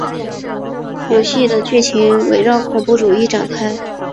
游戏的剧情围绕恐怖主义展开。